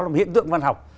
là một hiện tượng văn học